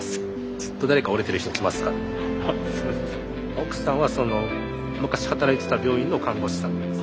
奥さんは昔働いてた病院の看護師さんです。